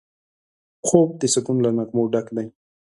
خوب د سکون له نغمو ډک دی